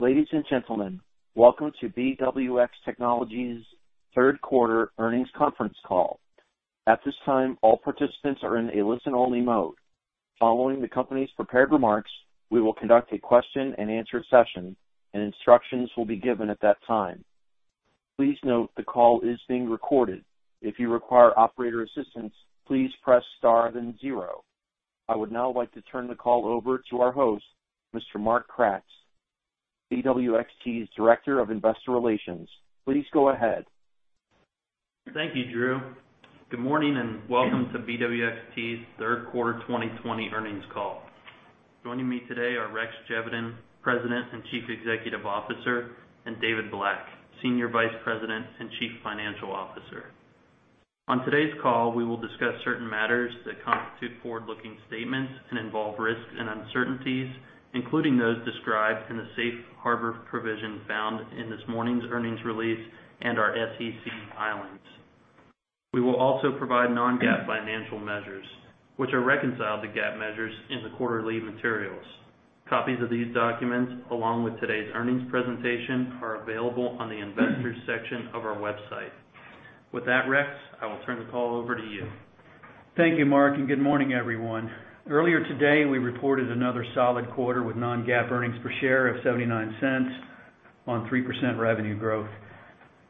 Ladies and gentlemen, welcome to BWX Technologies' third quarter earnings conference call. At this time, all participants are in a listen-only mode. Following the company's prepared remarks, we will conduct a question and answer session, and instructions will be given at that time. Please note the call is being recorded. If you require operator assistance, please press star then zero. I would now like to turn the call over to our host, Mr. Mark Kratz, BWXT's Director of Investor Relations. Please go ahead. Thank you, Drew. Good morning and welcome to BWXT's third quarter 2020 earnings call. Joining me today are Rex Geveden, President and Chief Executive Officer, and David Black, Senior Vice President and Chief Financial Officer. On today's call, we will discuss certain matters that constitute forward-looking statements and involve risks and uncertainties, including those described in the safe harbor provision found in this morning's earnings release and our SEC filings. We will also provide non-GAAP financial measures, which are reconciled to GAAP measures in the quarterly materials. Copies of these documents, along with today's earnings presentation, are available on the investors section of our website. With that, Rex, I will turn the call over to you. Thank you, Mark, good morning, everyone. Earlier today, we reported another solid quarter with non-GAAP earnings per share of $0.79 on 3% revenue growth.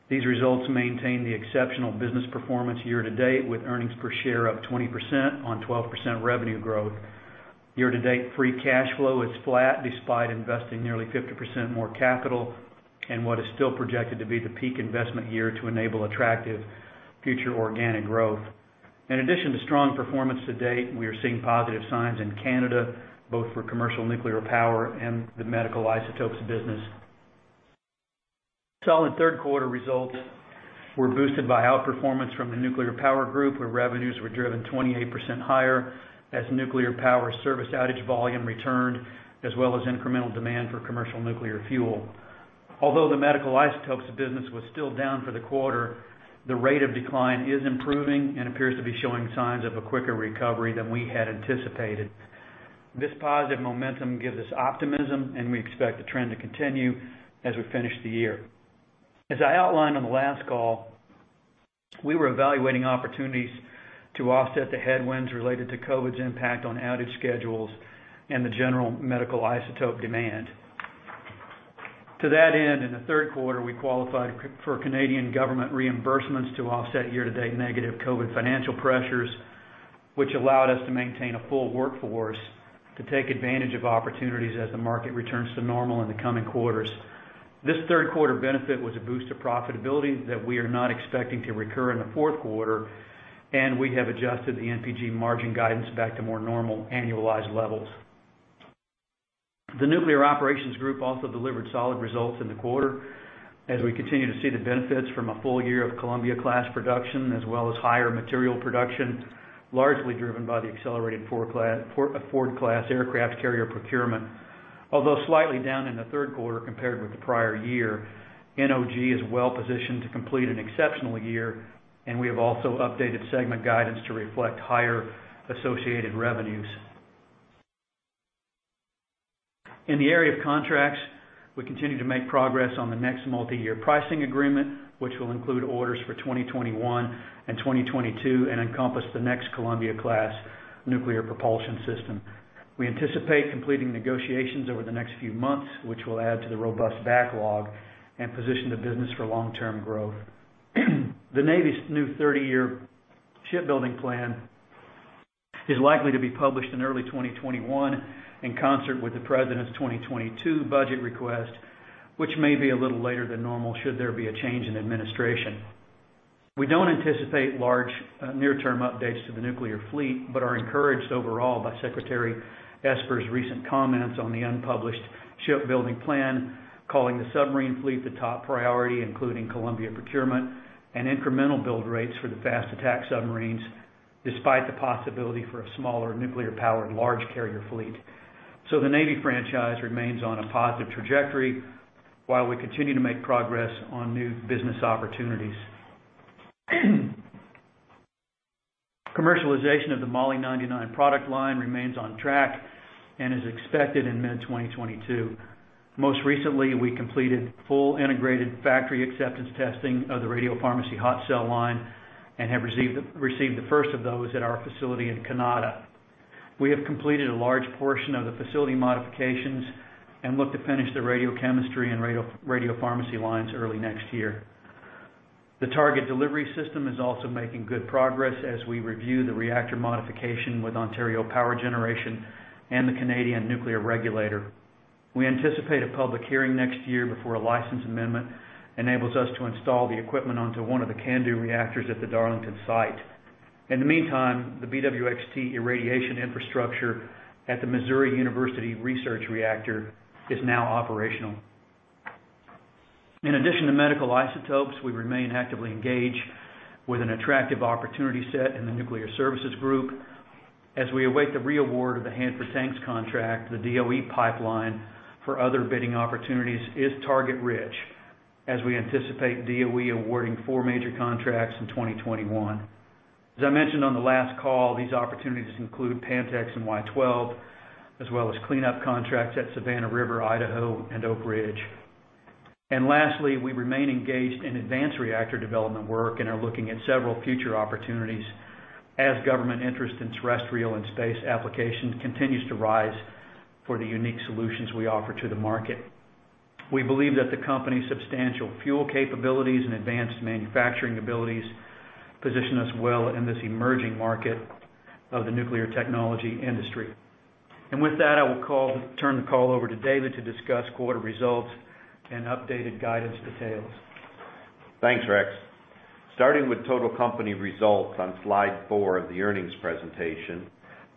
These results maintain the exceptional business performance year-to-date, with earnings per share up 20% on 12% revenue growth. Year-to-date free cash flow is flat despite investing nearly 50% more capital in what is still projected to be the peak investment year to enable attractive future organic growth. In addition to strong performance to date, we are seeing positive signs in Canada, both for commercial nuclear power and the medical isotopes business. Solid third quarter results were boosted by outperformance from the Nuclear Power Group, where revenues were driven 28% higher as nuclear power service outage volume returned, as well as incremental demand for commercial nuclear fuel. Although the medical isotopes business was still down for the quarter, the rate of decline is improving and appears to be showing signs of a quicker recovery than we had anticipated. We expect the trend to continue as we finish the year. As I outlined on the last call, we were evaluating opportunities to offset the headwinds related to COVID's impact on outage schedules and the general medical isotope demand. To that end, in the third quarter, we qualified for Canadian Government reimbursements to offset year-to-date negative COVID financial pressures, which allowed us to maintain a full workforce to take advantage of opportunities as the market returns to normal in the coming quarters. This third quarter benefit was a boost to profitability that we are not expecting to recur in the fourth quarter, and we have adjusted the NPG margin guidance back to more normal annualized levels. The Nuclear Operations Group also delivered solid results in the quarter as we continue to see the benefits from a full year of Columbia-class production as well as higher material production, largely driven by the accelerated Ford-class aircraft carrier procurement. Although slightly down in the third quarter compared with the prior year, NOG is well positioned to complete an exceptional year, and we have also updated segment guidance to reflect higher associated revenues. In the area of contracts, we continue to make progress on the next multi-year pricing agreement, which will include orders for 2021 and 2022 and encompass the next Columbia-class nuclear propulsion system. We anticipate completing negotiations over the next few months, which will add to the robust backlog and position the business for long-term growth. The Navy's new 30-year shipbuilding plan is likely to be published in early 2021 in concert with the President's 2022 budget request, which may be a little later than normal should there be a change in administration. We don't anticipate large near-term updates to the nuclear fleet but are encouraged overall by Secretary Esper's recent comments on the unpublished shipbuilding plan, calling the submarine fleet the top priority, including Columbia procurement and incremental build rates for the fast attack submarines, despite the possibility for a smaller nuclear-powered large carrier fleet. The Navy franchise remains on a positive trajectory while we continue to make progress on new business opportunities. Commercialization of the Mo-99 product line remains on track and is expected in mid-2022. Most recently, we completed full integrated factory acceptance testing of the radiopharmacy hot cell line and have received the first of those at our facility in Kanata. We have completed a large portion of the facility modifications and look to finish the radiochemistry and radiopharmacy lines early next year. The Target Delivery System is also making good progress as we review the reactor modification with Ontario Power Generation and the Canadian Nuclear Regulator. We anticipate a public hearing next year before a license amendment enables us to install the equipment onto one of the CANDU reactors at the Darlington site. In the meantime, the BWXT irradiation infrastructure at the University of Missouri Research Reactor is now operational. In addition to medical isotopes, we remain actively engaged with an attractive opportunity set in the Nuclear Services Group. As we await the re-award of the Hanford tanks contract, the DOE pipeline for other bidding opportunities is target-rich as we anticipate DOE awarding four major contracts in 2021. As I mentioned on the last call, these opportunities include Pantex and Y-12, as well as cleanup contracts at Savannah River, Idaho, and Oak Ridge. Lastly, we remain engaged in advanced reactor development work and are looking at several future opportunities as government interest in terrestrial and space applications continues to rise for the unique solutions we offer to the market. We believe that the company's substantial fuel capabilities and advanced manufacturing abilities position us well in this emerging market of the nuclear technology industry. With that, I will turn the call over to David to discuss quarter results and updated guidance details. Thanks, Rex. Starting with total company results on slide four of the earnings presentation,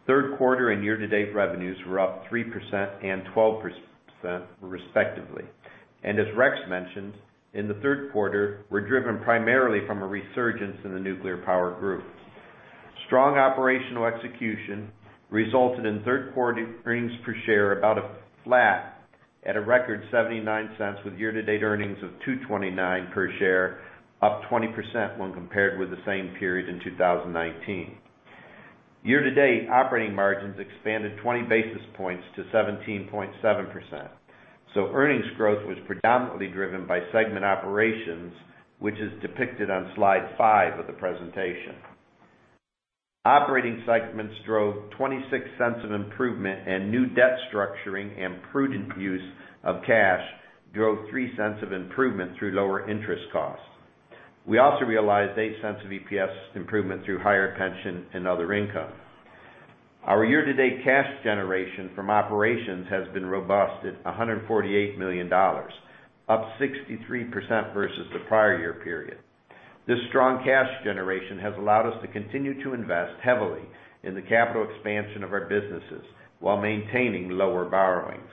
third quarter and year-to-date revenues were up 3% and 12% respectively. As Rex mentioned, in the third quarter, were driven primarily from a resurgence in the Nuclear Power Group. Strong operational execution resulted in third quarter earnings per share about flat at a record $0.79, with year-to-date earnings of $2.29 per share, up 20% when compared with the same period in 2019. Year-to-date operating margins expanded 20 basis points to 17.7%. Earnings growth was predominantly driven by segment operations, which is depicted on slide five of the presentation. Operating segments drove $0.26 of improvement. New debt structuring and prudent use of cash drove $0.03 of improvement through lower interest costs. We also realized $0.08 of EPS improvement through higher pension and other income. Our year-to-date cash generation from operations has been robust at $148 million, up 63% versus the prior year period. This strong cash generation has allowed us to continue to invest heavily in the capital expansion of our businesses while maintaining lower borrowings.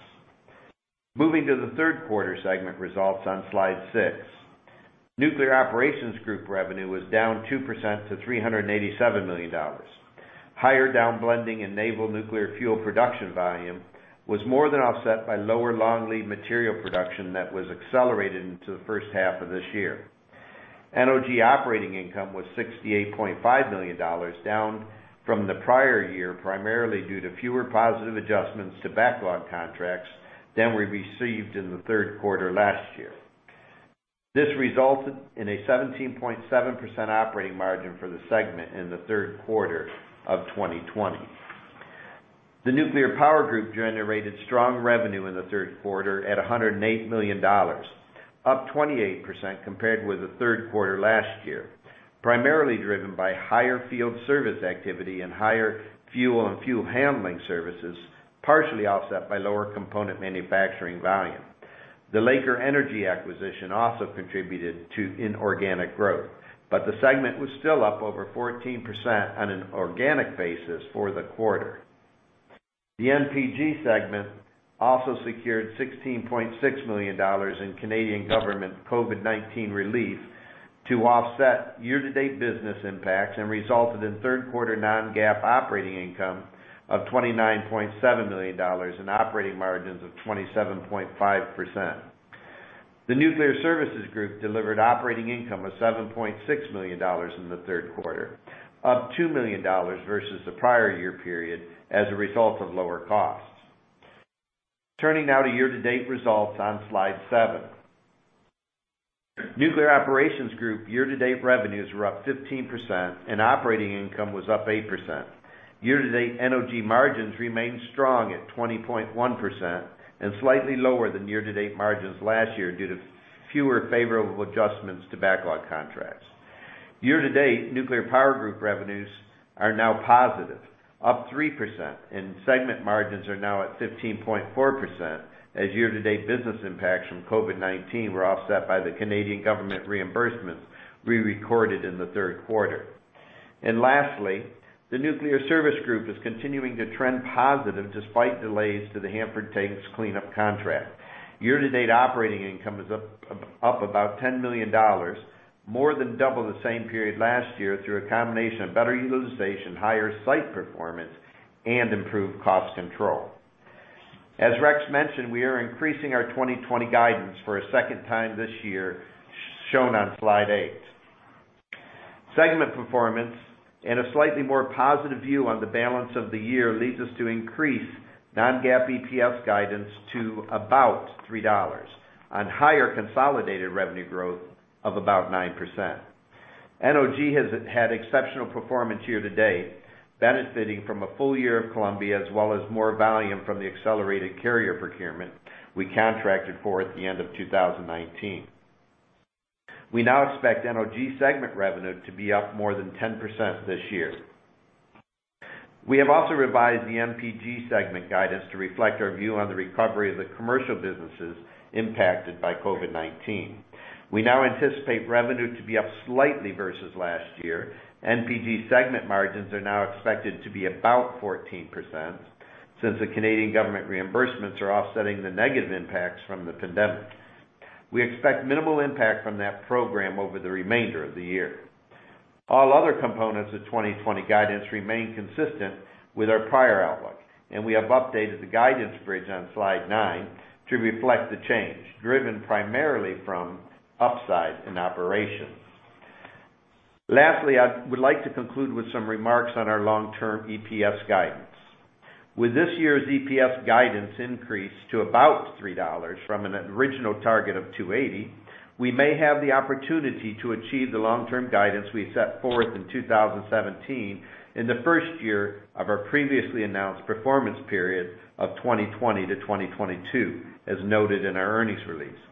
Moving to the third quarter segment results on slide six. Nuclear Operations Group revenue was down 2% to $387 million. Higher downblending and naval nuclear fuel production volume was more than offset by lower long lead material production that was accelerated into the first half of this year. NOG operating income was $68.5 million, down from the prior year, primarily due to fewer positive adjustments to backlog contracts than we received in the third quarter last year. This resulted in a 17.7% operating margin for the segment in the third quarter of 2020. The Nuclear Power Group generated strong revenue in the third quarter at $108 million, up 28% compared with the third quarter last year, primarily driven by higher field service activity and higher fuel and fuel handling services, partially offset by lower component manufacturing volume. The Laker Energy acquisition also contributed to inorganic growth, but the segment was still up over 14% on an organic basis for the quarter. The NPG segment also secured $16.6 million in Canadian government COVID-19 relief to offset year-to-date business impacts and resulted in third quarter non-GAAP operating income of $29.7 million and operating margins of 27.5%. The Nuclear Services Group delivered operating income of $7.6 million in the third quarter, up $2 million versus the prior year period as a result of lower costs. Turning now to year-to-date results on slide seven. Nuclear Operations Group year-to-date revenues were up 15% and operating income was up 8%. Year-to-date NOG margins remain strong at 20.1% and slightly lower than year-to-date margins last year due to fewer favorable adjustments to backlog contracts. Year-to-date, Nuclear Power Group revenues are now positive, up 3%, and segment margins are now at 15.4% as year-to-date business impacts from COVID-19 were offset by the Canadian government reimbursements we recorded in the third quarter. Lastly, the Nuclear Services Group is continuing to trend positive despite delays to the Hanford tanks cleanup contract. Year-to-date operating income is up about $10 million, more than double the same period last year, through a combination of better utilization, higher site performance, and improved cost control. As Rex mentioned, we are increasing our 2020 guidance for a second time this year, shown on slide eight. Segment performance and a slightly more positive view on the balance of the year leads us to increase non-GAAP EPS guidance to about $3 on higher consolidated revenue growth of about 9%. NOG has had exceptional performance year-to-date, benefiting from a full year of Columbia, as well as more volume from the accelerated carrier procurement we contracted for at the end of 2019. We now expect NOG segment revenue to be up more than 10% this year. We have also revised the NPG segment guidance to reflect our view on the recovery of the commercial businesses impacted by COVID-19. We now anticipate revenue to be up slightly versus last year. NPG segment margins are now expected to be about 14%, since the Canadian government reimbursements are offsetting the negative impacts from the pandemic. We expect minimal impact from that program over the remainder of the year. All other components of 2020 guidance remain consistent with our prior outlook, and we have updated the guidance bridge on slide nine to reflect the change, driven primarily from upside in operations. Lastly, I would like to conclude with some remarks on our long-term EPS guidance. With this year's EPS guidance increase to about $3 from an original target of $2.80, we may have the opportunity to achieve the long-term guidance we set forth in 2017 in the first year of our previously announced performance period of 2020-2022, as noted in our earnings release.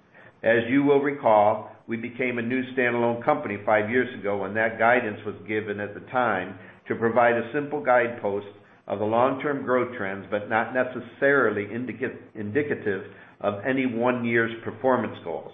As you will recall, we became a new standalone company five years ago, and that guidance was given at the time to provide a simple guidepost of the long-term growth trends, but not necessarily indicative of any one year's performance goals.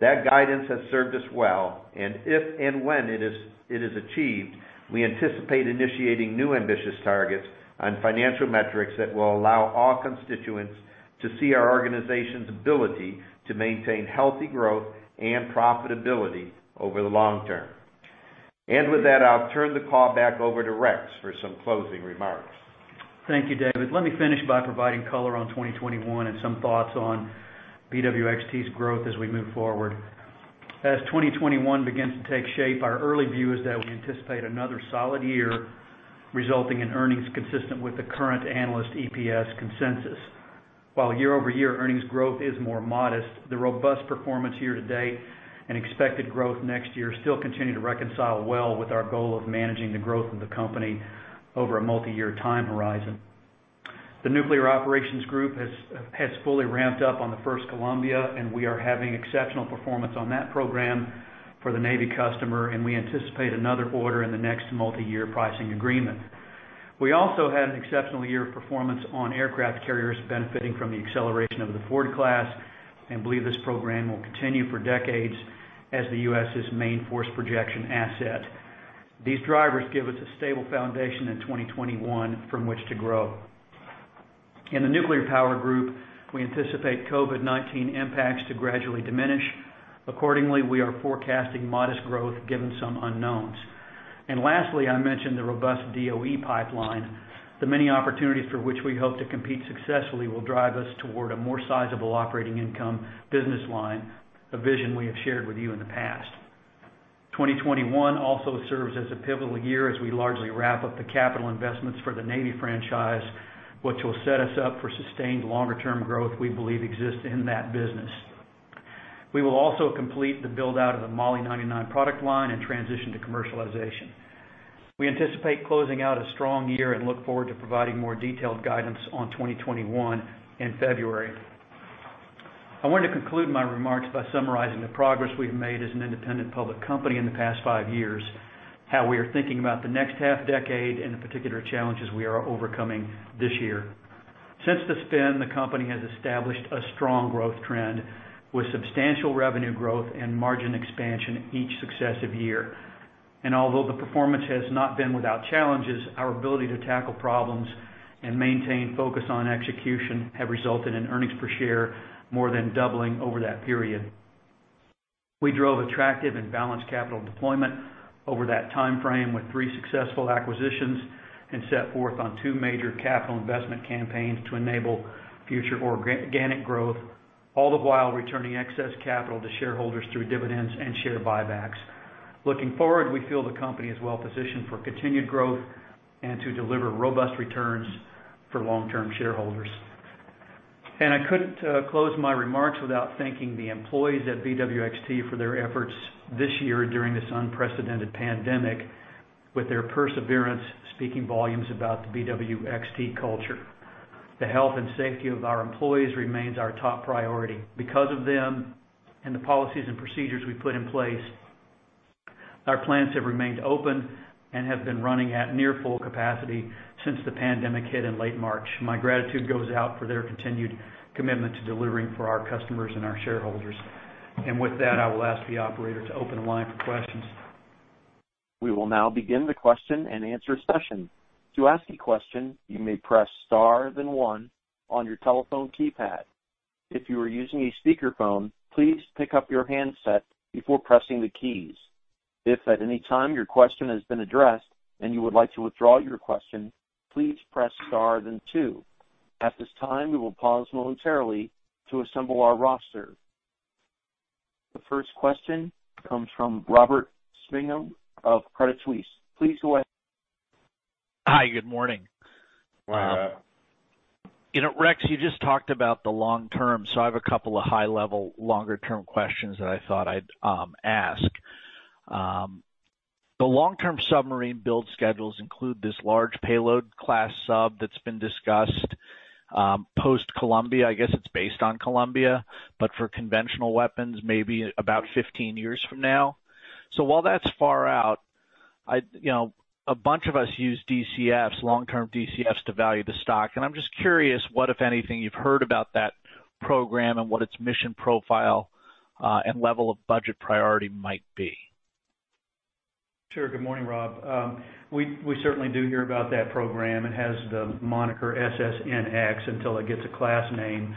That guidance has served us well, and if and when it is achieved, we anticipate initiating new ambitious targets on financial metrics that will allow all constituents to see our organization's ability to maintain healthy growth and profitability over the long term. With that, I'll turn the call back over to Rex for some closing remarks. Thank you, David. Let me finish by providing color on 2021 and some thoughts on BWXT's growth as we move forward. As 2021 begins to take shape, our early view is that we anticipate another solid year, resulting in earnings consistent with the current analyst EPS consensus. While year-over-year earnings growth is more modest, the robust performance year-to-date and expected growth next year still continue to reconcile well with our goal of managing the growth of the company over a multi-year time horizon. The Nuclear Operations Group has fully ramped up on the first Columbia-class, and we are having exceptional performance on that program for the U.S. Navy customer, and we anticipate another order in the next multi-year pricing agreement. We also had an exceptional year of performance on aircraft carriers benefiting from the acceleration of the Ford-class and believe this program will continue for decades as the U.S.'s main force projection asset. These drivers give us a stable foundation in 2021 from which to grow. In the Nuclear Power Group, we anticipate COVID-19 impacts to gradually diminish. Accordingly, we are forecasting modest growth given some unknowns. Lastly, I mentioned the robust DOE pipeline. The many opportunities for which we hope to compete successfully will drive us toward a more sizable operating income business line, a vision we have shared with you in the past. 2021 also serves as a pivotal year as we largely wrap up the capital investments for the Navy franchise, which will set us up for sustained longer term growth we believe exists in that business. We will also complete the build-out of the Moly-99 product line and transition to commercialization. We anticipate closing out a strong year and look forward to providing more detailed guidance on 2021 in February. I wanted to conclude my remarks by summarizing the progress we've made as an independent public company in the past five years, how we are thinking about the next half-decade, and the particular challenges we are overcoming this year. Since the spin, the company has established a strong growth trend with substantial revenue growth and margin expansion each successive year. Although the performance has not been without challenges, our ability to tackle problems and maintain focus on execution have resulted in earnings per share more than doubling over that period. We drove attractive and balanced capital deployment over that timeframe with three successful acquisitions and set forth on two major capital investment campaigns to enable future organic growth, all the while returning excess capital to shareholders through dividends and share buybacks. Looking forward, we feel the company is well-positioned for continued growth and to deliver robust returns for long-term shareholders. I couldn't close my remarks without thanking the employees at BWXT for their efforts this year during this unprecedented pandemic, with their perseverance speaking volumes about the BWXT culture. The health and safety of our employees remains our top priority. Because of them and the policies and procedures we've put in place, our plants have remained open and have been running at near full capacity since the pandemic hit in late March. My gratitude goes out for their continued commitment to delivering for our customers and our shareholders. With that, I will ask the operator to open the line for questions. We will now begin the question and answer session. To ask a question, you may press star then one on your telephone keypad. If you are using a speakerphone, please pick up your handset before pressing the keys. If at any time your question has been addressed and you would like to withdraw your question, please press star then two. At this time, we will pause momentarily to assemble our roster. The first question comes from Robert Spingarn of Credit Suisse. Please go ahead. Hi, good morning. Good morning. Rex, you just talked about the long term. I have a couple of high-level longer-term questions that I thought I'd ask. The long-term submarine build schedules include this large payload class sub that's been discussed, post-Columbia. I guess it's based on Columbia, for conventional weapons, maybe about 15 years from now. While that's far out, a bunch of us use long-term DCFs to value the stock, and I'm just curious what, if anything, you've heard about that program and what its mission profile and level of budget priority might be. Sure. Good morning, Rob. We certainly do hear about that program. It has the moniker SSNX until it gets a class name.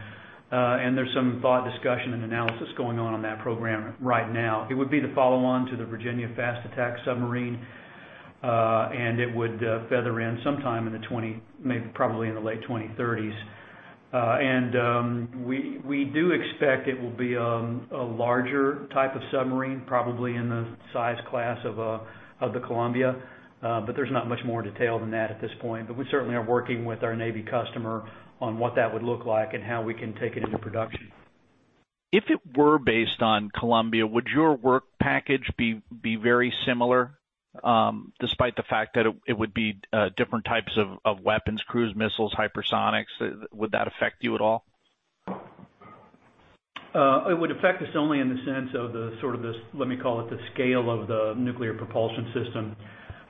There's some thought, discussion, and analysis going on on that program right now. It would be the follow-on to the Virginia-class Fast Attack Submarine. It would feather in sometime probably in the late 2030s. We do expect it will be a larger type of submarine, probably in the size class of the Columbia-class. There's not much more detail than that at this point. We certainly are working with our Navy customer on what that would look like and how we can take it into production. If it were based on Columbia, would your work package be very similar, despite the fact that it would be different types of weapons, cruise missiles, hypersonics? Would that affect you at all? It would affect us only in the sense of the, let me call it, the scale of the nuclear propulsion system.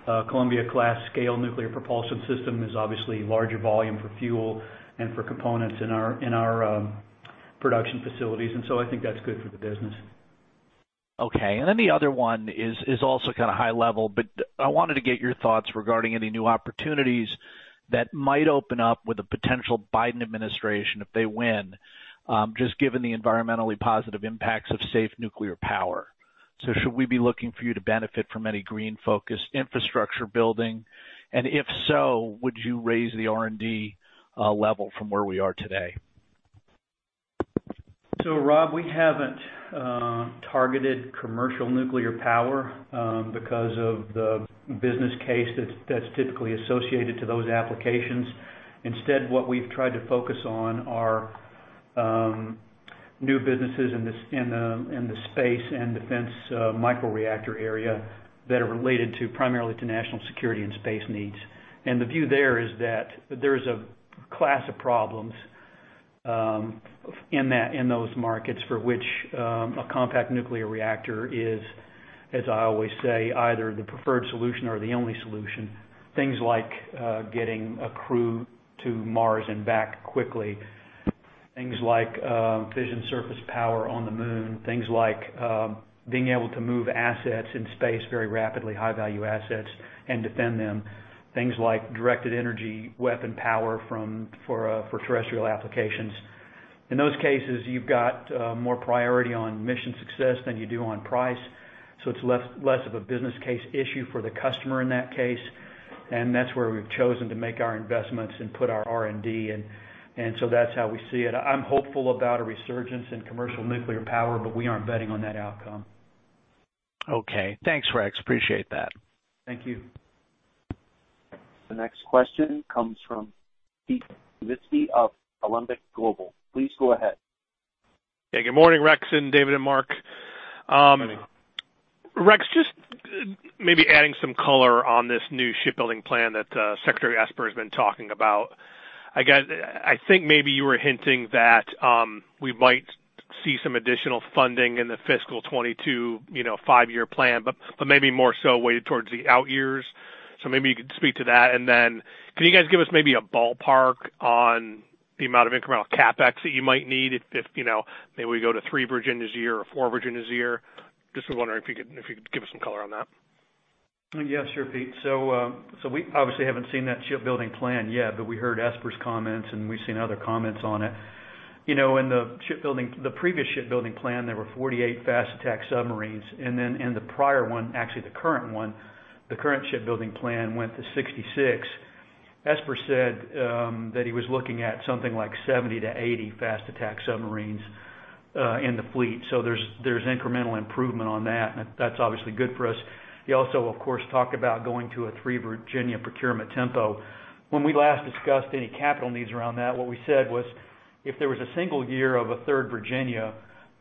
Columbia-class scale nuclear propulsion system is obviously larger volume for fuel and for components in our production facilities. I think that's good for the business. The other one is also kind of high level, but I wanted to get your thoughts regarding any new opportunities that might open up with a potential Biden administration if they win, just given the environmentally positive impacts of safe nuclear power. Should we be looking for you to benefit from any green-focused infrastructure building? If so, would you raise the R&D level from where we are today? Rob, we haven't targeted commercial nuclear power because of the business case that's typically associated to those applications. Instead, what we've tried to focus on are new businesses in the space and defense microreactor area that are related primarily to national security and space needs. The view there is that there is a class of problems in those markets for which a compact nuclear reactor is, as I always say, either the preferred solution or the only solution. Things like getting a crew to Mars and back quickly. Things like fission surface power on the moon. Things like being able to move assets in space very rapidly, high value assets, and defend them. Things like directed energy weapon power for terrestrial applications. In those cases, you've got more priority on mission success than you do on price, so it's less of a business case issue for the customer in that case. That's where we've chosen to make our investments and put our R&D in. That's how we see it. I'm hopeful about a resurgence in commercial nuclear power, but we aren't betting on that outcome. Okay. Thanks, Rex. Appreciate that. Thank you. The next question comes from Pete Skibitski of Alembic Global. Please go ahead. Hey, good morning, Rex and David and Mark. Morning. Rex, just maybe adding some color on this new shipbuilding plan that Mark Esper has been talking about. I think maybe you were hinting that we might see some additional funding in the fiscal 2022 five-year plan, maybe more so weighted towards the out years. Maybe you could speak to that, can you guys give us maybe a ballpark on the amount of incremental CapEx that you might need if maybe we go to three Virginias a year or four Virginias a year? Just was wondering if you could give us some color on that. Yes, sure, Pete. We obviously haven't seen that shipbuilding plan yet, but we heard Esper's comments, and we've seen other comments on it. In the previous shipbuilding plan, there were 48 fast attack submarines, and then in the prior one, actually the current one, the current shipbuilding plan went to 66. Esper said that he was looking at something like 70-80 fast attack submarines in the fleet. There's incremental improvement on that, and that's obviously good for us. He also, of course, talked about going to a three Virginia procurement tempo. When we last discussed any capital needs around that, what we said was if there was a single year of a third Virginia,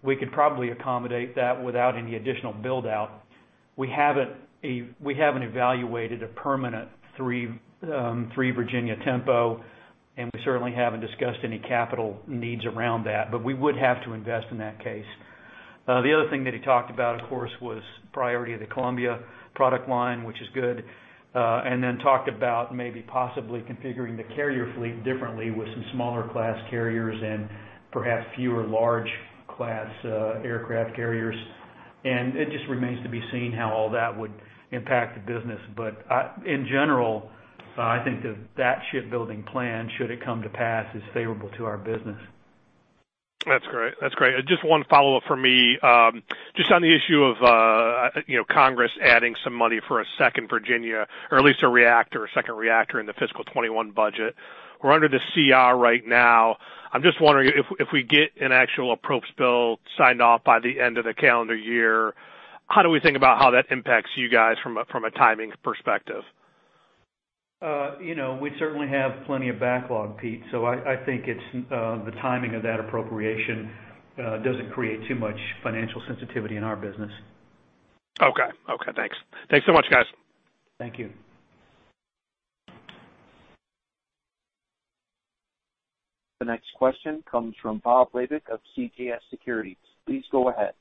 we could probably accommodate that without any additional build-out. We haven't evaluated a permanent three Virginia tempo, and we certainly haven't discussed any capital needs around that, but we would have to invest in that case. The other thing that he talked about, of course, was priority of the Columbia product line, which is good. Talked about maybe possibly configuring the carrier fleet differently with some smaller class carriers and perhaps fewer large class aircraft carriers. It just remains to be seen how all that would impact the business. In general, I think that that shipbuilding plan, should it come to pass, is favorable to our business. That's great. Just one follow-up from me. Just on the issue of Congress adding some money for a second Virginia-class, or at least a reactor, a second reactor in the FY 2021 budget. We're under the CR right now. I'm just wondering if we get an actual approps bill signed off by the end of the calendar year, how do we think about how that impacts you guys from a timing perspective? We certainly have plenty of backlog, Pete. I think the timing of that appropriation doesn't create too much financial sensitivity in our business. Okay, thanks. Thanks so much, guys. Thank you. The next question comes from Bob Labick of CJS Securities. Please go ahead.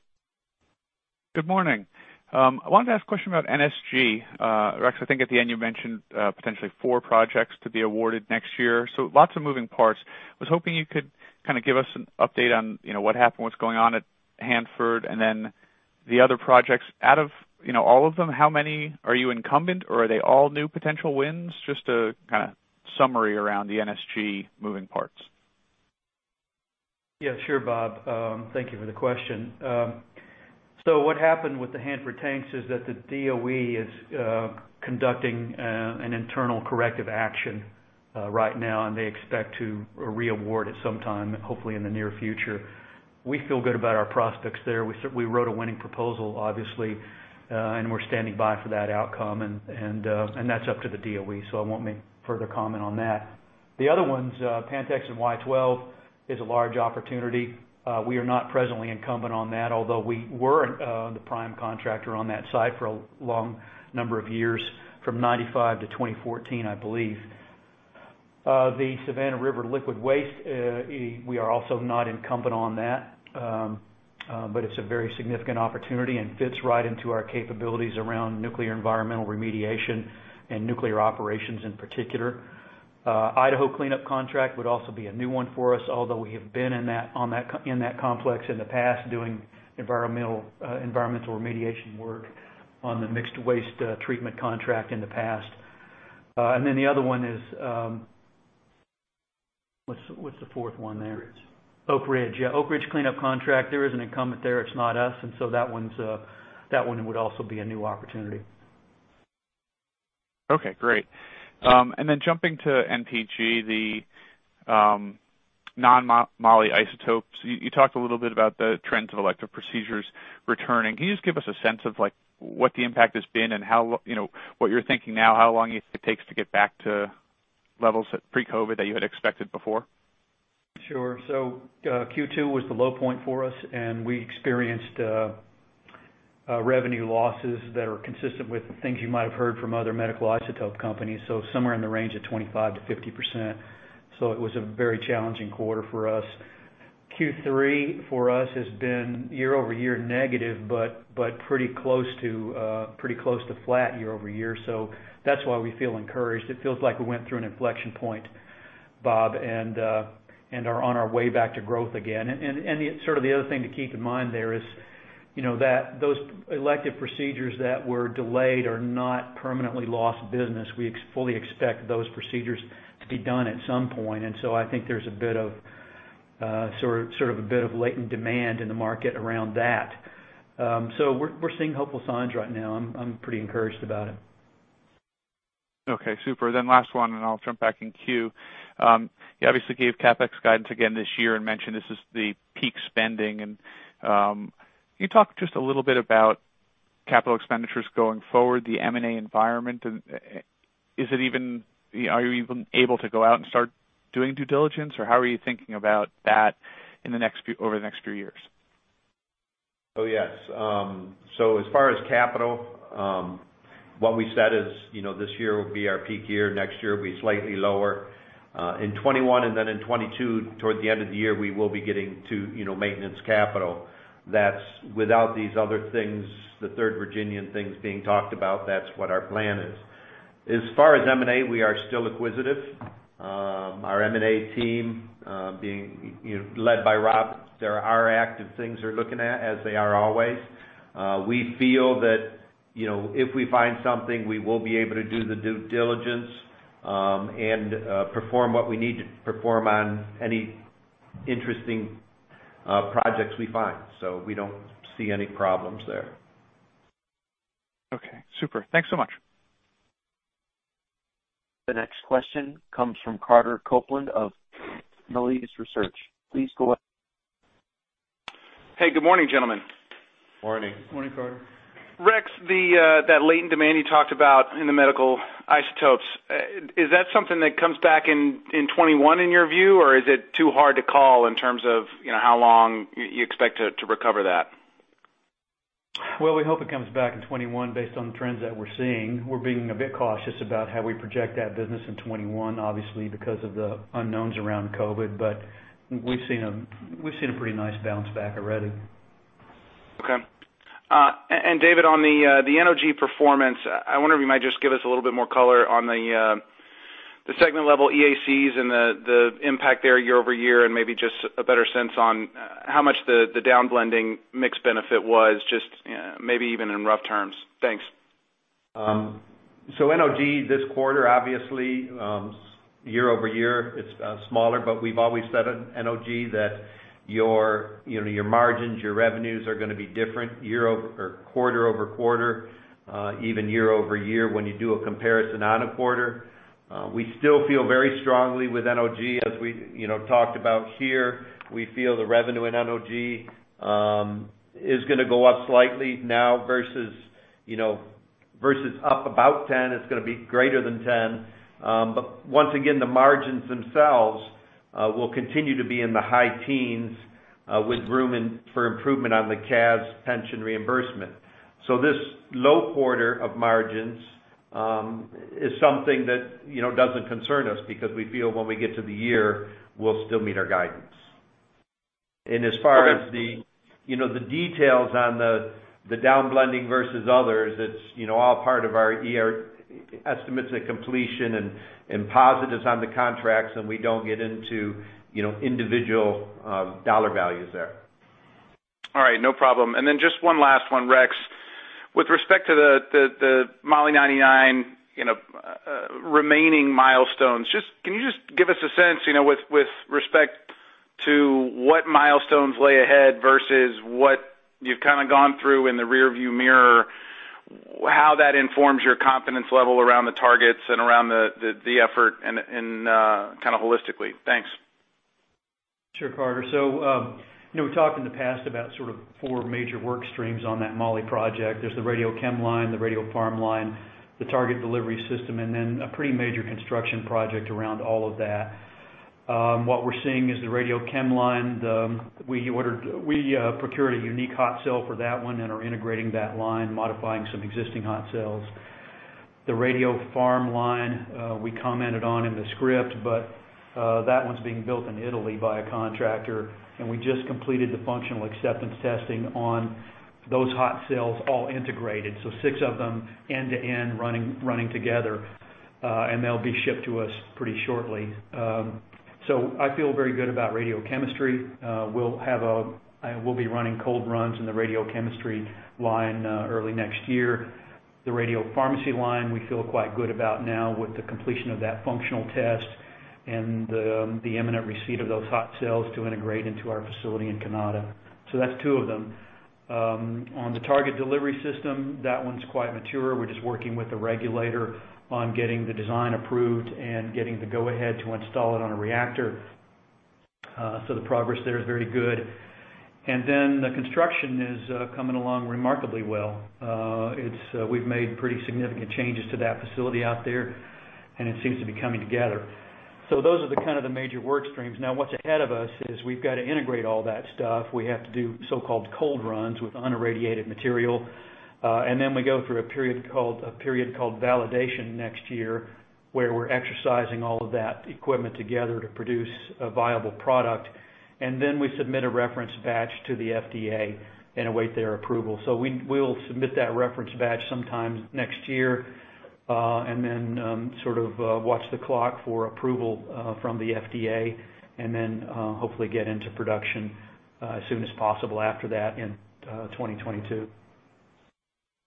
Good morning. I wanted to ask a question about NSG. Rex, I think at the end you mentioned potentially four projects to be awarded next year. Lots of moving parts. I was hoping you could kind of give us an update on what happened, what's going on at Hanford and then the other projects. Out of all of them, how many are you incumbent or are they all new potential wins? Just a kind of summary around the NSG moving parts. Yeah, sure Bob. Thank you for the question. What happened with the Hanford tanks is that the DOE is conducting an internal corrective action right now, and they expect to re-award it sometime, hopefully, in the near future. We feel good about our prospects there. We wrote a winning proposal, obviously, and we're standing by for that outcome. That's up to the DOE, I won't make further comment on that. The other ones, Pantex and Y-12, is a large opportunity. We are not presently incumbent on that, although we were the prime contractor on that site for a long number of years, from 1995 to 2014, I believe. The Savannah River liquid waste, we are also not incumbent on that. It's a very significant opportunity and fits right into our capabilities around nuclear environmental remediation and nuclear operations in particular. Idaho cleanup contract would also be a new one for us, although we have been in that complex in the past doing environmental remediation work on the mixed waste treatment contract in the past. The other one, what's the fourth one there? Oak Ridge. Oak Ridge. Yeah, Oak Ridge cleanup contract. There is an incumbent there, it's not us, and so that one would also be a new opportunity. Okay, great. Then jumping to NPG, the non-Moly isotopes. You talked a little bit about the trends of elective procedures returning. Can you just give us a sense of what the impact has been and what you're thinking now, how long it takes to get back to levels at pre-COVID that you had expected before? Sure. Q2 was the low point for us, and we experienced revenue losses that are consistent with the things you might have heard from other medical isotope companies. Somewhere in the range of 25%-50%. It was a very challenging quarter for us. Q3 for us has been year-over-year negative, but pretty close to flat year-over-year. That's why we feel encouraged. It feels like we went through an inflection point, Bob, and are on our way back to growth again. Sort of the other thing to keep in mind there is, those elective procedures that were delayed are not permanently lost business. We fully expect those procedures to be done at some point. I think there's a bit of latent demand in the market around that. We're seeing hopeful signs right now. I'm pretty encouraged about it. Okay, super. Last one, I'll jump back in queue. You obviously gave CapEx guidance again this year and mentioned this is the peak spending. Can you talk just a little bit about capital expenditures going forward, the M&A environment? Are you even able to go out and start doing due diligence, or how are you thinking about that over the next few years? Oh, yes. As far as capital, what we said is this year will be our peak year. Next year will be slightly lower. In 2021, then in 2022, toward the end of the year, we will be getting to maintenance capital. That's without these other things, the third Virginia-class things being talked about, that's what our plan is. As far as M&A, we are still acquisitive. Our M&A team, being led by Rob, there are active things they're looking at, as they are always. We feel that if we find something, we will be able to do the due diligence, and perform what we need to perform on any interesting projects we find. We don't see any problems there. Okay, super. Thanks so much. The next question comes from Carter Copeland of Melius Research. Please go ahead. Hey, good morning, gentlemen. Morning. Morning, Carter. Rex, that latent demand you talked about in the medical isotopes, is that something that comes back in 2021 in your view, or is it too hard to call in terms of how long you expect to recover that? Well, we hope it comes back in 2021 based on the trends that we're seeing. We're being a bit cautious about how we project that business in 2021, obviously, because of the unknowns around COVID, but we've seen a pretty nice bounce back already. Okay. And David, on the NOG performance, I wonder if you might just give us a little bit more color on the segment level EACs and the impact there year-over-year and maybe just a better sense on how much the downblending mix benefit was, just maybe even in rough terms. Thanks. NOG this quarter, obviously, year-over-year it's smaller, but we've always said at NOG that your margins, your revenues are going to be different quarter-over-quarter, even year-over-year when you do a comparison on a quarter. We still feel very strongly with NOG as we talked about here. We feel the revenue in NOG is going to go up slightly now versus up about 10, it's going to be greater than 10. Once again, the margins themselves will continue to be in the high teens with room for improvement on the CAS pension reimbursement. This low quarter of margins is something that doesn't concern us because we feel when we get to the year, we'll still meet our guidance. As far as the details on the downblending versus others, it's all part of our Estimates at Completion and positives on the contracts, and we don't get into individual dollar values there. All right. No problem. Then just one last one, Rex. With respect to the Molybdenum-99 remaining milestones, can you just give us a sense with respect to what milestones lay ahead versus what you've kind of gone through in the rear view mirror, how that informs your confidence level around the targets and around the effort and kind of holistically? Thanks. Sure, Carter. We talked in the past about sort of four major work streams on that Moly project. There's the radiochemistry line, the radiopharmacy line, the Target Delivery System, and then a pretty major construction project around all of that. What we're seeing is the radiochemistry line, we procured a unique hot cell for that one and are integrating that line, modifying some existing hot cells. The radiopharmacy line, we commented on in the script, but that one's being built in Italy by a contractor, and we just completed the functional acceptance testing on those hot cells all integrated. Six of them end-to-end running together. They'll be shipped to us pretty shortly. I feel very good about radiochemistry. We'll be running cold runs in the radiochemistry line early next year. The radiopharmacy line we feel quite good about now with the completion of that functional test and the imminent receipt of those hot cells to integrate into our facility in Kanata. That's two of them. On the Target Delivery System, that one's quite mature. We're just working with the regulator on getting the design approved and getting the go ahead to install it on a reactor. The progress there is very good. The construction is coming along remarkably well. We've made pretty significant changes to that facility out there, and it seems to be coming together. Those are the kind of the major work streams. Now what's ahead of us is we've got to integrate all that stuff. We have to do so-called cold runs with unirradiated material. Then we go through a period called validation next year, where we're exercising all of that equipment together to produce a viable product. Then we submit a reference batch to the FDA and await their approval. We'll submit that reference batch sometime next year, and then sort of watch the clock for approval from the FDA and then hopefully get into production as soon as possible after that in 2022.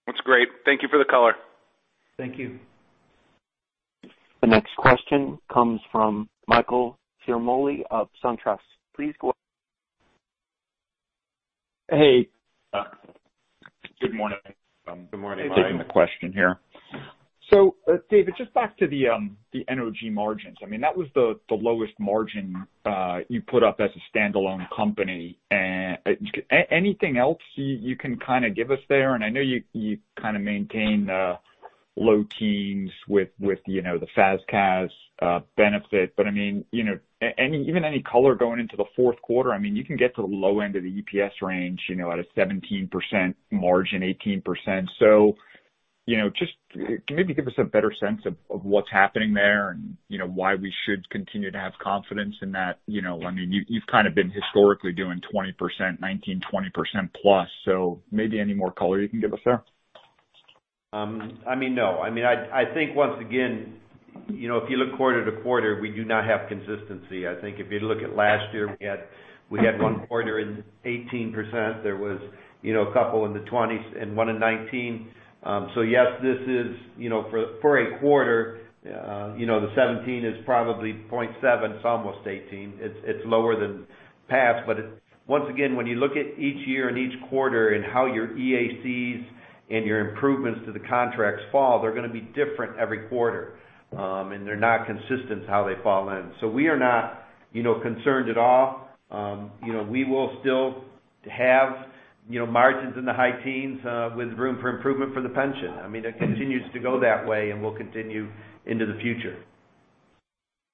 That's great. Thank you for the color. Thank you. The next question comes from Michael Ciarmoli of SunTrust. Hey. Good morning. Good morning, Mike. David, just back to the NOG margins. That was the lowest margin you put up as a standalone company. Anything else you can kind of give us there? I know you kind of maintain the low teens with the FAS/CAS benefit, but even any color going into the fourth quarter, you can get to the low end of the EPS range at a 17% margin, 18%. Just maybe give us a better sense of what's happening there and why we should continue to have confidence in that. You've kind of been historically doing 20%, 19%, 20% plus, maybe any more color you can give us there? No. I think once again, if you look quarter to quarter, we do not have consistency. I think if you look at last year, we had one quarter in 18%. There was a couple in the 20s and one in 19%. Yes, for a quarter, the 17% is probably 0.7%, it's almost 18%. It's lower than past. Once again, when you look at each year and each quarter and how your EACs and your improvements to the contracts fall, they're going to be different every quarter. They're not consistent how they fall in. We are not concerned at all. We will still have margins in the high teens with room for improvement for the pension. It continues to go that way and will continue into the future.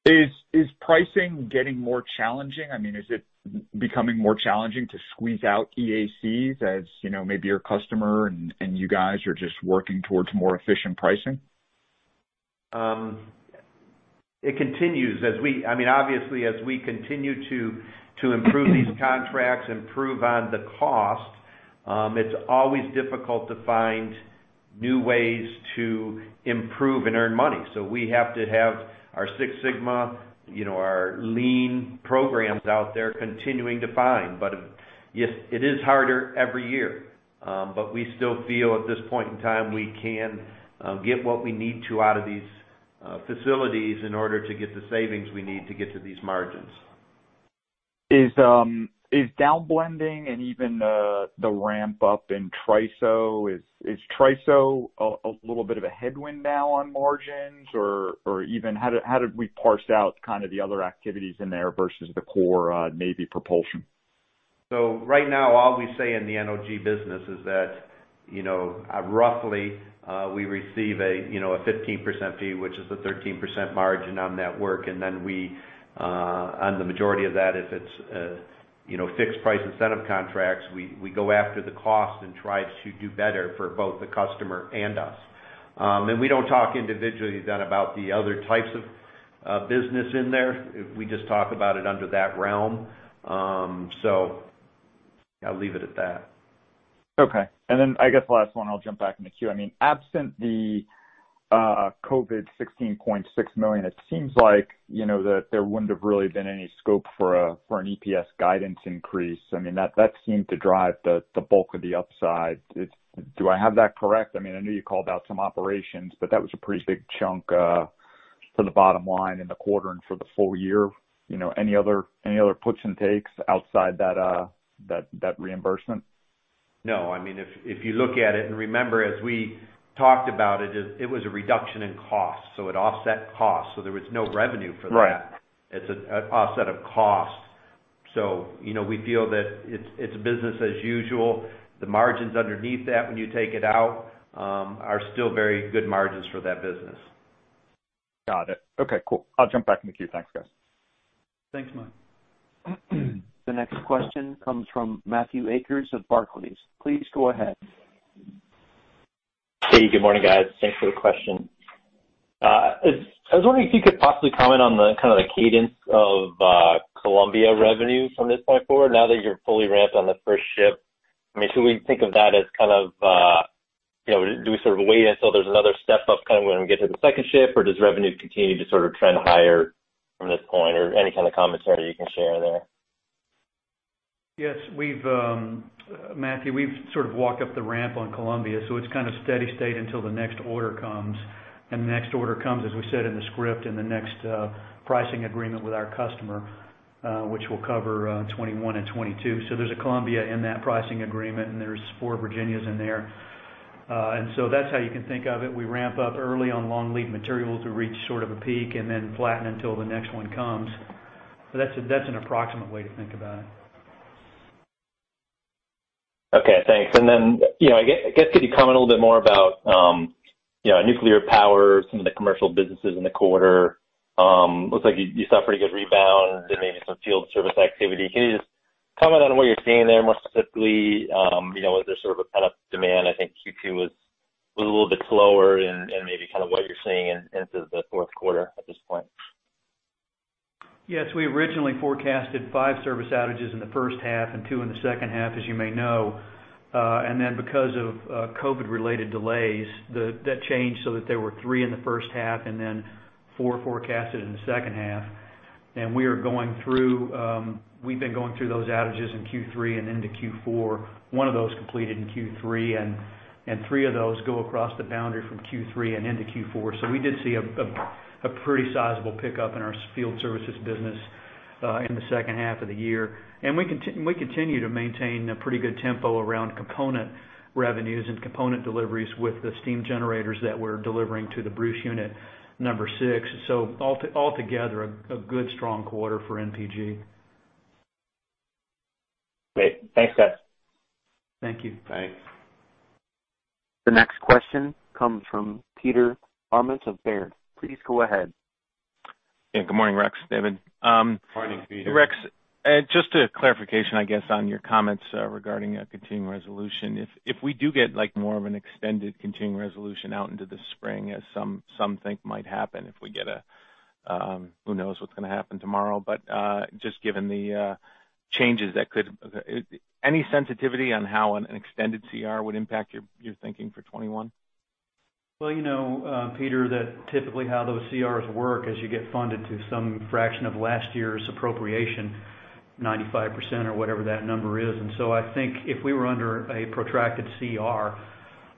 Is pricing getting more challenging? Is it becoming more challenging to squeeze out EACs as maybe your customer and you guys are just working towards more efficient pricing? It continues. Obviously, as we continue to improve these contracts, improve on the cost, it's always difficult to find new ways to improve and earn money. We have to have our Six Sigma, our lean programs out there continuing to find. It is harder every year. We still feel at this point in time, we can get what we need to out of these facilities in order to get the savings we need to get to these margins. Is downblending and even the ramp up in TRISO, is TRISO a little bit of a headwind now on margins? Or even how do we parse out kind of the other activities in there versus the core Navy propulsion? Right now, all we say in the NOG business is that roughly, we receive a 15% fee, which is a 13% margin on that work. Then on the majority of that, if it's fixed price incentive contracts, we go after the cost and try to do better for both the customer and us. We don't talk individually then about the other types of business in there. We just talk about it under that realm. I'll leave it at that. Okay. I guess the last one, I'll jump back in the queue. Absent the COVID $16.6 million, it seems like there wouldn't have really been any scope for an EPS guidance increase. That seemed to drive the bulk of the upside. Do I have that correct? I know you called out some operations, that was a pretty big chunk for the bottom line in the quarter and for the full year. Any other puts and takes outside that reimbursement? No. If you look at it, and remember, as we talked about it was a reduction in cost, so it offset cost. There was no revenue for that. Right. It's an offset of cost. We feel that it's business as usual. The margins underneath that, when you take it out, are still very good margins for that business. Got it. Okay, cool. I'll jump back in the queue. Thanks, guys. Thanks, Mike. The next question comes from Matthew Akers of Barclays. Please go ahead. Hey, good morning, guys. Thanks for the question. I was wondering if you could possibly comment on the kind of the cadence of Columbia revenue from this point forward, now that you're fully ramped on the first ship. Should we think of that as kind of, do we sort of wait until there's another step up kind of when we get to the second ship, or does revenue continue to sort of trend higher from this point, or any kind of commentary you can share there? Yes, Matthew, we've sort of walked up the ramp on Columbia, so it's kind of steady state until the next order comes. The next order comes, as we said in the script, in the next pricing agreement with our customer, which will cover 2021 and 2022. There's a Columbia in that pricing agreement, and there's four Virginias in there. That's how you can think of it. We ramp up early on long-lead material to reach sort of a peak and then flatten until the next one comes. That's an approximate way to think about it. Okay, thanks. I guess could you comment a little bit more about nuclear power, some of the commercial businesses in the quarter. Looks like you saw a pretty good rebound and maybe some field service activity. Can you just comment on what you're seeing there more specifically? Was there sort of a pent-up demand? I think Q2 was a little bit slower and maybe kind of what you're seeing into the fourth quarter at this point. Yes. We originally forecasted five service outages in the first half and two in the second half, as you may know. Because of COVID related delays, that changed so that there were three in the first half and then four forecasted in the second half. We've been going through those outages in Q3 and into Q4. One of those completed in Q3, and three of those go across the boundary from Q3 and into Q4. We did see a pretty sizable pickup in our field services business in the second half of the year. We continue to maintain a pretty good tempo around component revenues and component deliveries with the steam generators that we're delivering to the Bruce unit number 6. Altogether, a good strong quarter for NPG. Great. Thanks, guys. Thank you. Thanks. The next question comes from Peter Arment of Baird. Please go ahead. Yeah. Good morning, Rex, David. Morning, Peter. Rex, just a clarification, I guess, on your comments regarding a continuing resolution. If we do get more of an extended continuing resolution out into the spring as some think might happen if we get who knows what's going to happen tomorrow, but just given the changes, any sensitivity on how an extended CR would impact your thinking for 2021? Well, you know, Peter, that typically how those CRs work, as you get funded to some fraction of last year's appropriation, 95% or whatever that number is. I think if we were under a protracted CR,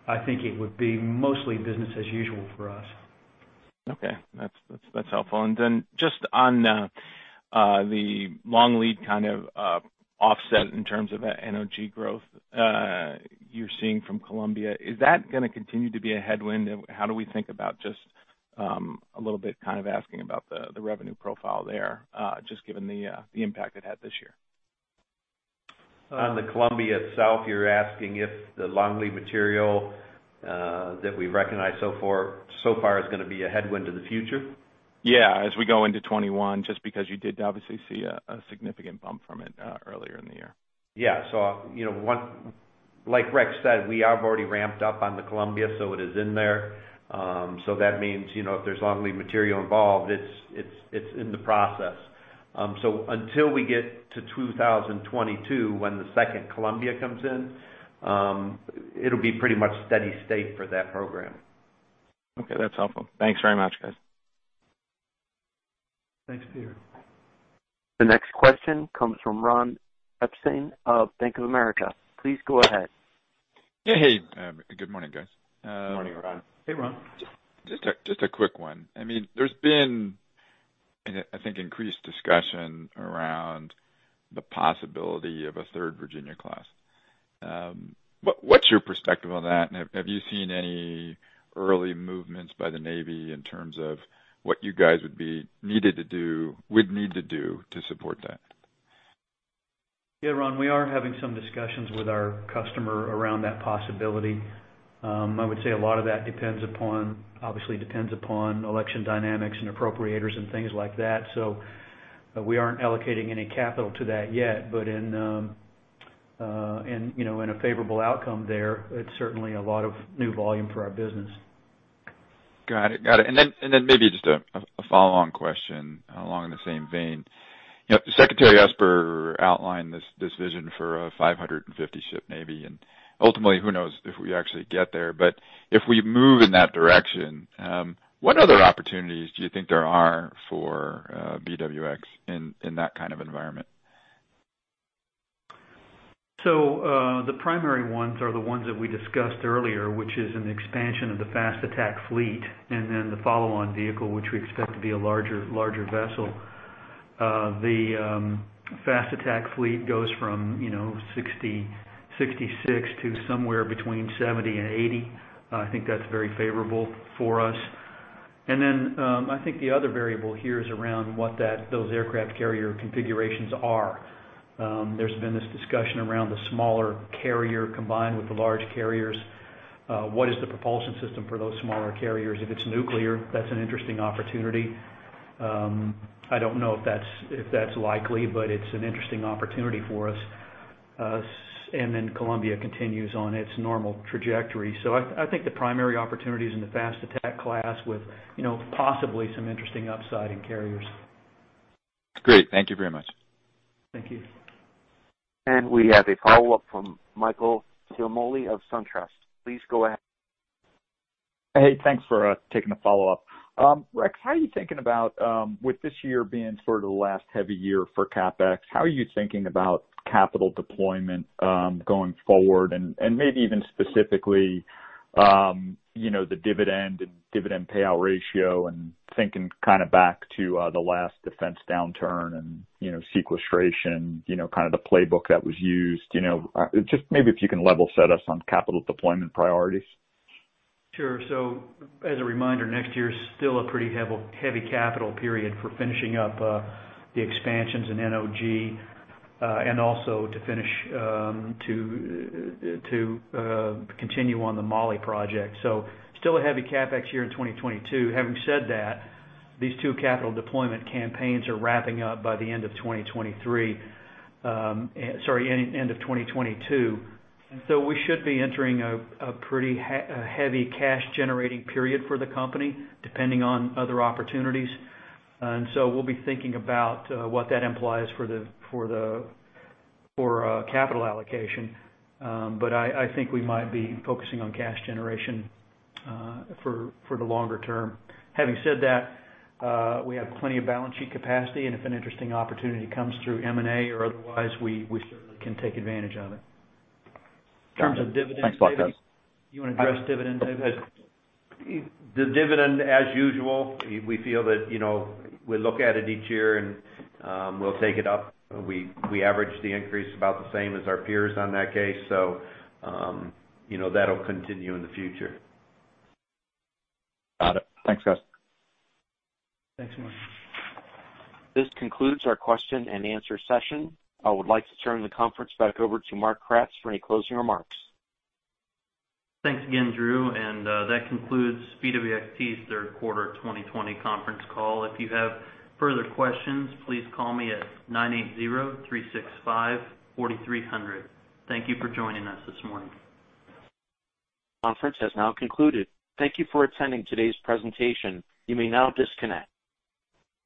I think it would be mostly business as usual for us. Okay. That's helpful. Then just on the long lead kind of offset in terms of that energy growth you're seeing from Columbia, is that going to continue to be a headwind? How do we think about just a little bit kind of asking about the revenue profile there, just given the impact it had this year? On the Columbia itself, you're asking if the long-lead material that we've recognized so far is going to be a headwind in the future? Yeah. As we go into 2021, just because you did obviously see a significant bump from it earlier in the year. Yeah. Like Rex said, we have already ramped up on the Columbia, so it is in there. That means, if there's long-lead material involved, it's in the process. Until we get to 2022, when the second Columbia comes in, it'll be pretty much steady state for that program. Okay. That's helpful. Thanks very much, guys. Thanks, Peter. The next question comes from Ron Epstein of Bank of America. Please go ahead. Yeah. Hey, good morning, guys. Good morning, Ron. Hey, Ron. Just a quick one. There's been, I think, increased discussion around the possibility of a third Virginia-class. What's your perspective on that? Have you seen any early movements by the Navy in terms of what you guys would need to do to support that? Yeah, Ron, we are having some discussions with our customer around that possibility. I would say a lot of that obviously depends upon election dynamics and appropriators and things like that. We aren't allocating any capital to that yet, but in a favorable outcome there, it's certainly a lot of new volume for our business. Got it. Maybe just a follow-on question along the same vein. Secretary Esper outlined this vision for a 550-ship Navy, and ultimately, who knows if we actually get there. If we move in that direction, what other opportunities do you think there are for BWX in that kind of environment? The primary ones are the ones that we discussed earlier, which is an expansion of the fast attack fleet and then the follow-on vehicle, which we expect to be a larger vessel. The fast attack fleet goes from 66 to somewhere between 70 and 80. I think that's very favorable for us. Then, I think the other variable here is around what those aircraft carrier configurations are. There's been this discussion around the smaller carrier combined with the large carriers. What is the propulsion system for those smaller carriers? If it's nuclear, that's an interesting opportunity. I don't know if that's likely, but it's an interesting opportunity for us. Then Columbia continues on its normal trajectory. I think the primary opportunity is in the fast attack class with possibly some interesting upside in carriers. Great. Thank you very much. Thank you. We have a follow-up from Michael Ciarmoli of SunTrust. Please go ahead. Hey, thanks for taking the follow-up. Rex, with this year being sort of the last heavy year for CapEx, how are you thinking about capital deployment going forward? Maybe even specifically, the dividend and dividend payout ratio and thinking kind of back to the last defense downturn and sequestration, kind of the playbook that was used. Just maybe if you can level set us on capital deployment priorities? Sure. As a reminder, next year is still a pretty heavy capital period for finishing up the expansions in NOG and also to continue on the Moly project. Still a heavy CapEx year in 2022. Having said that, these two capital deployment campaigns are wrapping up by the end of 2022. We should be entering a pretty heavy cash generating period for the company, depending on other opportunities. We'll be thinking about what that implies for capital allocation. I think we might be focusing on cash generation for the longer term. Having said that, we have plenty of balance sheet capacity, and if an interesting opportunity comes through M&A or otherwise, we certainly can take advantage of it. Got it. Thanks a lot, guys. You want to address dividend, David? The dividend, as usual, we feel that we look at it each year, and we'll take it up. We average the increase about the same as our peers on that case. That'll continue in the future. Got it. Thanks, guys. Thanks, Michael. This concludes our question and answer session. I would like to turn the conference back over to Mark Kratz for any closing remarks. Thanks again, Drew. That concludes BWXT's third quarter 2020 conference call. If you have further questions, please call me at 980-365-4300. Thank you for joining us this morning. Conference has now concluded. Thank you for attending today's presentation. You may now disconnect.